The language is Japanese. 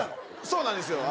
そうなんですよ。